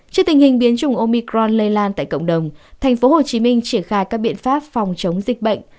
trước tình hình biến chủng omicron lây lan tại cộng đồng tp hcm triển khai các biện pháp phòng chống dịch bệnh